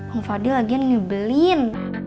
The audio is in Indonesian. om fadil lagian ngebelin